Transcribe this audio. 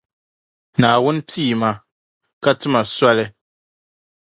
Naawuni pii ma, ka ti ma soli.